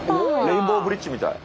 レインボーブリッジみたい。